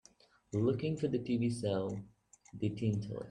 Looking for the TV show the Tin Toy